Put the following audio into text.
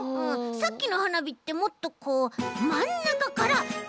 さっきのはなびってもっとこうまんなかからドカンって！